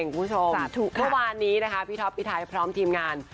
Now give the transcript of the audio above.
ปรับวันนี้พี่ท๊อปพี่ไทยพร้อมทีมงาน